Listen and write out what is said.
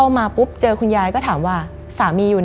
มันกลายเป็นรูปของคนที่กำลังขโมยคิ้วแล้วก็ร้องไห้อยู่